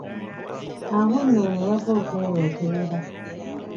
Awo nno weewava okwerooterera.